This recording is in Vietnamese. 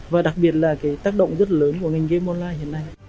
và đặc biệt là cái tác động rất lớn của ngành game online hiện nay